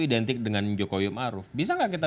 identik dengan jokowi maruf bisa nggak kita